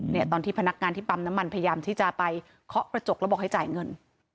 เนี่ยตอนที่พนักงานที่ปั๊มน้ำมันพยายามที่จะไปเคาะกระจกแล้วบอกให้จ่ายเงิน